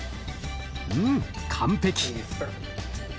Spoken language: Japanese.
うん完璧！